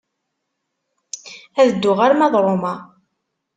Ad dduɣ arma d Roma.